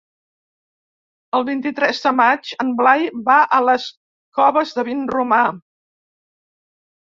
El vint-i-tres de maig en Blai va a les Coves de Vinromà.